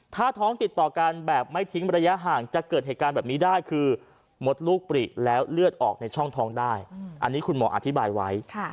ถ้าท้องติดต่อกันแบบไม่ทิ้งระยะห่างจะเกิดเหตุการณ์แบบนี้ได้คือมดลูกปริแล้วเลือดออกในช่องท้องได้อันนี้คุณหมออธิบายไว้